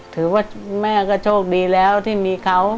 ถือว่าแม่ก็โชคดีแล้วที่มีเขา